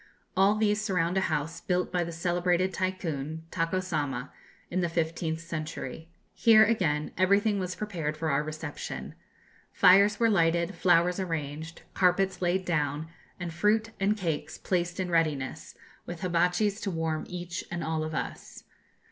All these surround a house built by the celebrated Tycoon, Tako Sama, in the fifteenth century. Here, again, everything was prepared for our reception. Fires were lighted, flowers arranged, carpets laid down, and fruit and cakes placed in readiness, with hibatchis to warm each and all of us.